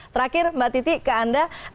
terakhir mbak titi ke anda